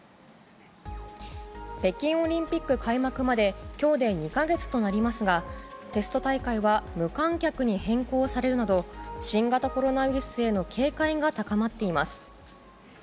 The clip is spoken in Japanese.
北京オリンピック開幕まで今日で２か月となりますがテスト大会は無観客に変更されるなど新型コロナウイルスへの警戒が高まっています。